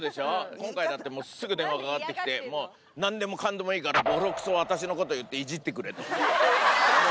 今回だってもう、すぐ電話かかってきて、もう、なんでもかんでもいいから、ぼろくそ、私のこと言っていじってくれと。